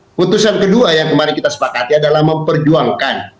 keputusan kedua yang kemarin kita sepakati adalah memperjuangkan